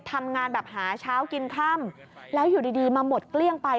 ทำงานแบบหาเช้ากินค่ำแล้วอยู่ดีมาหมดเกลี้ยงไป